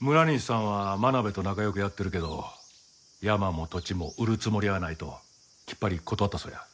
村西さんは真鍋と仲良くやってるけど山も土地も売るつもりはないときっぱり断ったそうや。